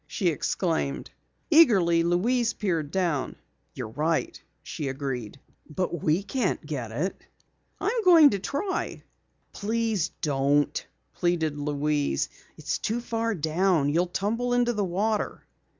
she exclaimed. Eagerly Louise peered down. "You're right!" she agreed. "But we can't get it." "I'm going to try." "Please don't," pleaded Louise. "It's too far down. You'll tumble into the water."